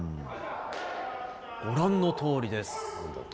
ご覧のとおりです。